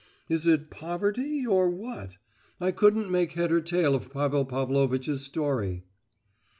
Is it poverty, or what? I couldn't make head or tail of Pavel Pavlovitch's story."